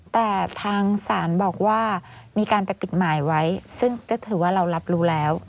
แต่ทางศาลบอกว่ามีการประติดหมายไว้ซึ่งจะถือว่าเรารับรู้แล้ว